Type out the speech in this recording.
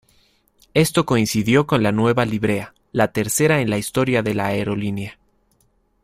Esto coincidió con la nueva librea, la tercera en la historia de la aerolínea.